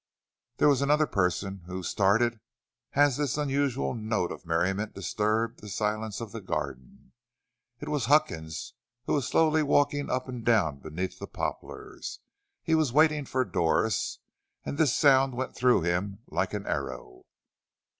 There was another person who started as this unusual note of merriment disturbed the silence of the garden. It was Huckins, who was slowly walking up and down beneath the poplars. He was waiting for Doris, and this sound went through him like an arrow.